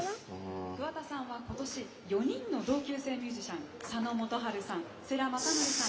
桑田さんは今年４人の同級生ミュージシャン佐野元春さん、世良公則さん